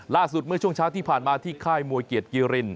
เมื่อช่วงเช้าที่ผ่านมาที่ค่ายมวยเกียรติกีริน